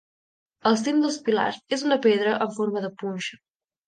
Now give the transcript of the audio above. El cim dels pilars és una pedra en forma de punxa.